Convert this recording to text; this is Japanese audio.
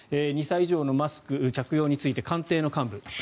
２歳以上のマスク着用について官邸の幹部。